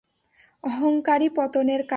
অহংকারই পতনের কারণ।